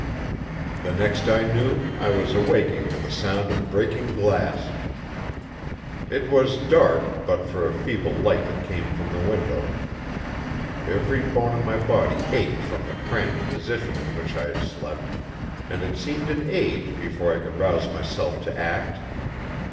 The next I knew I was awaking to the sound of breaking glass. It was dark but for a feeble light that came from the window. Every bone in my body ached from the cramped position in which I had slept, and it seemed an age before I could rouse myself to act.